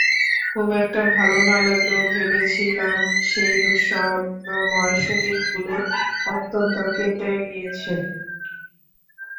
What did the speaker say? খুব একটা ভালো না লাগলেও ভেবেছিলাম সেই দুঃস্বপ্নময় দিনগুলো অন্তত কেটে গিয়েছে।